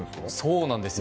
そうなんです。